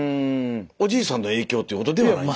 おじいさんの影響ということではないんですか？